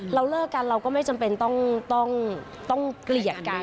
เราเลิกกันเราก็ไม่จำเป็นต้องเกลียดกัน